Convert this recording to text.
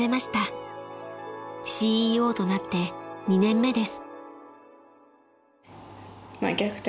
［ＣＥＯとなって２年目です］